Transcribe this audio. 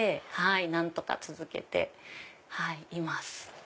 何とか続けています。